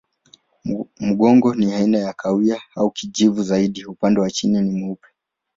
Mgongo ni aina ya kahawia au kijivu zaidi, upande wa chini ni mweupe.